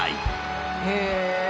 へえ！